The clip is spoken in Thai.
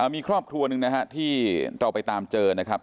มีครอบครัวหนึ่งนะฮะที่เราไปตามเจอนะครับ